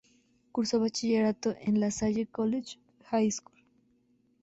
Cursó bachillerato en La Salle College High School.